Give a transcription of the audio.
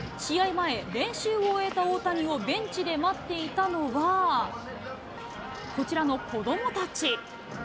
前、練習を終えた大谷をベンチで待っていたのは、こちらの子どもたち。